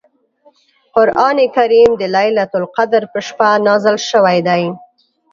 قران کریم د لیلة القدر په شپه نازل شوی دی .